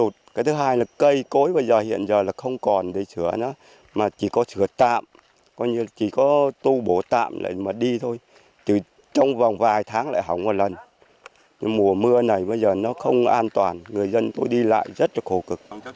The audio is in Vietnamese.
tuy nhiên trong vòng vài tháng lại hỏng một lần mùa mưa này bây giờ nó không an toàn người dân tôi đi lại rất là khổ cực